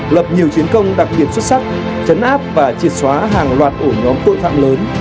lập nhiều chiến công đặc biệt xuất sắc chấn áp và triệt xóa hàng loạt ổ nhóm tội phạm lớn